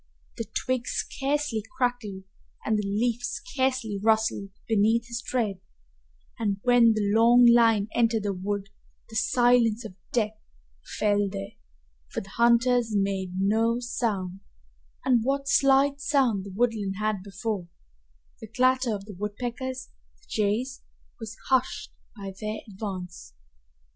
The twig scarcely crackled and the leaf scarcely rustled beneath his tread, and when the long line entered the wood the silence of death fell there, for the hunters made no sound, and what slight sound the woodland had before the clatter of the woodpeckers and jays was hushed by their advance.